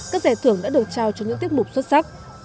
các giải thưởng đã được trao cho những tiết mục xuất sắc